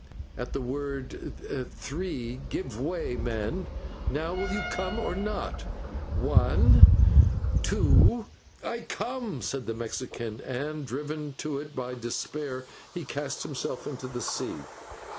At the word 'three,' give way, men. Now will you come, or not? One, two " "I come," said the Mexican, and, driven to it by desperation, he cast himself into the sea.